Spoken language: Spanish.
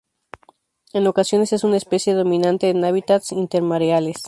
En ocasiones es una especie dominante en hábitats intermareales.